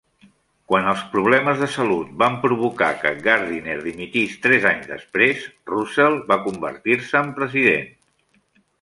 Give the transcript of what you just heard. Quan els problemes de salut van provocar que Gardiner dimitís tres anys després, Russel va convertir-se en president.